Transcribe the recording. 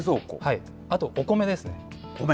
あとお米ですね。